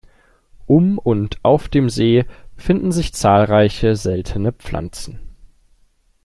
Um und auf dem See finden sich zahlreiche seltene Pflanzen.